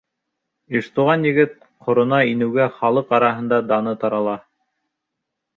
Иштуған егет ҡорона инеүгә халыҡ араһында даны тарала.